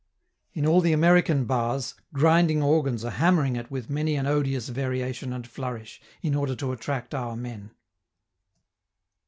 In all the American bars, grinding organs are hammering it with many an odious variation and flourish, in order to attract our men.